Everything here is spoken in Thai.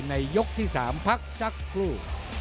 ยกที่๓พักสักครู่